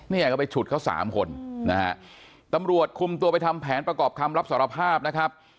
เนี่ยก็ไปฉุดเขาสามคนนะฮะตำรวจคุมตัวไปทำแผนประกอบคำรับสารภาพนะครับ